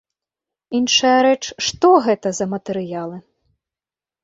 Іншая рэч, што гэта за матэрыялы.